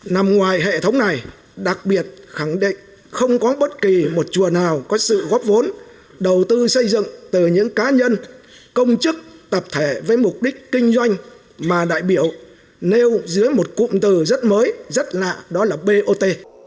nằm ngoài hệ thống này đặc biệt khẳng định không có bất kỳ một chùa nào có sự góp vốn đầu tư xây dựng từ những cá nhân công chức tập thể với mục đích kinh doanh mà đại biểu nêu dưới một cụm từ rất mới rất lạ đó là bot